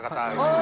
あ！